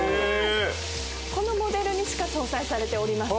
このモデルにしか搭載されておりません。